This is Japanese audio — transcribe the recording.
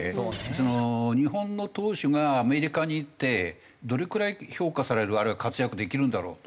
日本の投手がアメリカに行ってどれくらい評価されるあるいは活躍できるんだろうと。